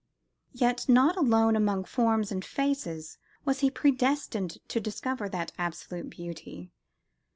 Yet not alone among "forms and faces" was he predestined to discover that Absolute Beauty.